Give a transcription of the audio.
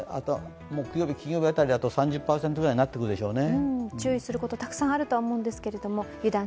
木曜日、金曜日は３０％くらいになってくるでしょうね。